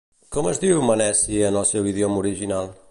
Com es diu Meneci en el seu idioma original?